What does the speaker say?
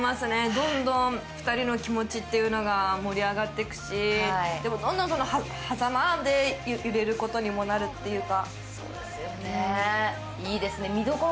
どんどん２人の気持ちっていうのが盛り上がっていくし、でも、どんどん狭間で揺れることにもなるというか。